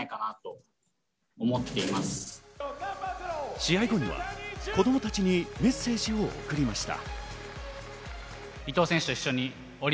試合後には子供たちにメッセージを送りました。